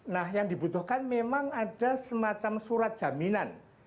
nah yang dibutuhkan memang ada semacam surat jaminan